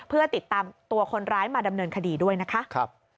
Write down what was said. เพื่อติดตามตัวคนร้ายมาดำเนินคดีด้วยนะคะ